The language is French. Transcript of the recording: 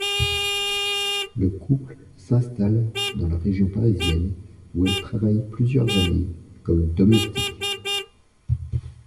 Le couple s'installe dans la région parisienne où elle travaille plusieurs années comme domestique.